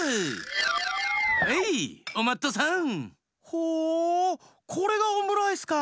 ほおこれがオムライスか。